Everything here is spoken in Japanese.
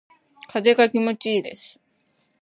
風が気持ちいいです。